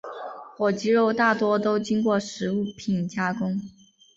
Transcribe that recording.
火鸡肉大多都经过食品加工。